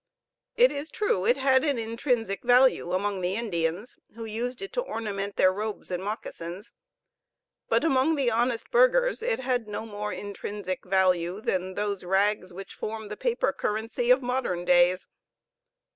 It is true it had an intrinsic value among the Indians, who used it to ornament their robes and moccasins; but among the honest burghers it had no more intrinsic value than those rags which form the paper currency of modern days.